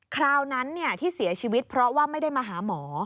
คราวนั้นที่เสียชีวิตเพราะว่าไม่ได้มาหาหมอ